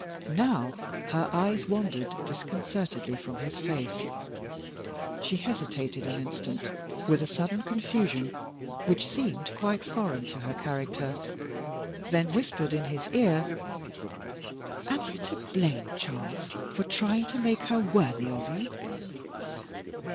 Now her eyes wandered disconcertedly from his face; she hesitated an instant with a sudden confusion which seemed quite foreign to her character, then whispered in his ear, "Am I to blame, Charles, for trying to make her worthy of you?"